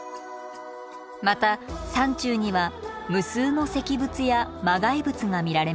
また山中には無数の石仏や磨崖仏が見られます。